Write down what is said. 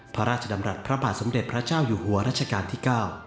พระราชดำรัฐพระบาทสมเด็จพระเจ้าอยู่หัวรัชกาลที่๙